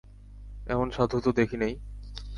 এমন সাধু তো দেখি নাই।